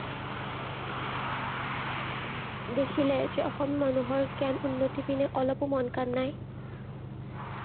দেখিলে যে অসমীয়া মানুহৰ জ্ঞান-উন্নতি পিনে অলপাে মনকাণ নাই